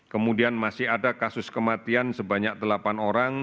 kemudian masih ada kasus kematian sebanyak delapan orang